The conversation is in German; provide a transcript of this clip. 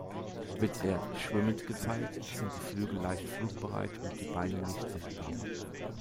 Wird er "schwimmend" gezeigt, sind die Flügel leicht flugbereit und die Beine nicht sichtbar.